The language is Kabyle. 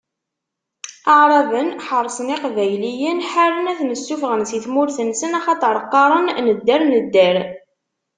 Aɛraben ḥeṛsen Iqbayliyen, ḥaren ad ten-ssufɣen si tmurt-nsen, axaṭer qqaren: Nedder, nedder!